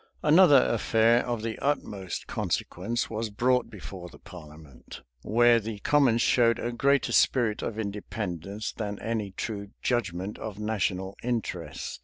Another affair of the utmost consequence was brought before the parliament, where the commons showed a greater spirit of independence than any true judgment of national interest.